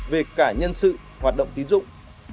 về cả nhân sự hoạt động tín dụng